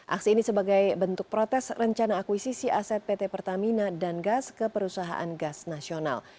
aksi ini sebagai bentuk protes rencana akuisisi aset pt pertamina dan gas ke perusahaan gas nasional